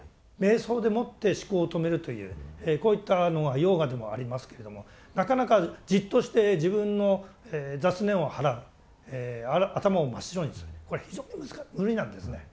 瞑想でもって思考を止めるというこういったのがヨーガでもありますけれどもなかなかじっとして自分の雑念を払う頭を真っ白にするこれは非常に無理なんですね。